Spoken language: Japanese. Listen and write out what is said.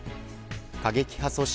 過激派組織